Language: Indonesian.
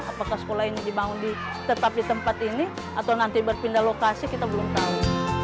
apakah sekolah ini dibangun tetap di tempat ini atau nanti berpindah lokasi kita belum tahu